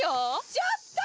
ちょっと！